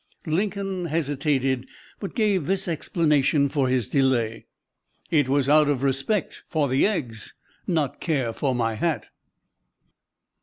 Lincoln hesitated, but gave this explanation for his delay: "It was out of respect for the eggs not care for my hat!"